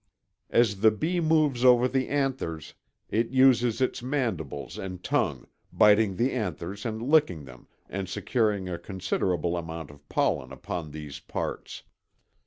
As the bee moves over the anthers it uses its mandibles and tongue, biting the anthers and licking them and securing a considerable amount of pollen upon these parts.